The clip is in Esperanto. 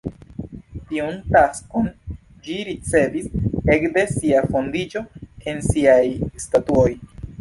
Tiun taskon ĝi ricevis ekde sia fondiĝo en siaj statutoj.